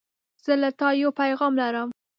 زه له تا یو پیغام لرم.